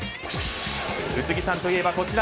宇津木さんといえばこちら。